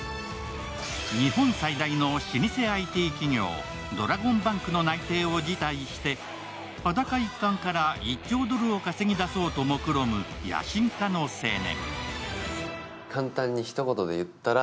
日本最大の老舗ＩＴ企業ドラゴンバンクの内定を辞退して裸一貫から１兆ドルを稼ぎだそうともくろむ野心家の青年。